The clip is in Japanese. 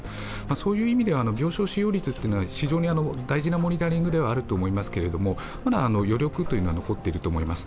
そういう意味では病床使用率というのは大事なモニタリングではあると思いますけどまだ余力は残っていると思います。